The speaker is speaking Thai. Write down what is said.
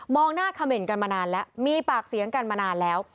หน้าเขม่นกันมานานแล้วมีปากเสียงกันมานานแล้ว